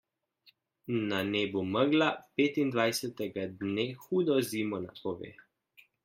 Na nebu megla petindvajsetega dne hudo zimo napove.